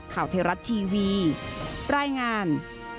ข่าวเทรัตน์ทีวีรายงาน